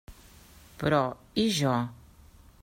Però, i jo?